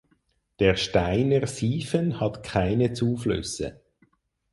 Der Steiner Siefen hat keine Zuflüsse.